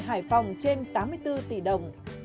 hải phòng trên tám mươi bốn tỷ đồng